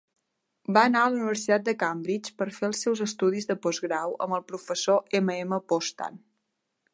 Va anar a la Universitat de Cambridge per fer els seus estudis de postgrau amb el professor M. M. Postan.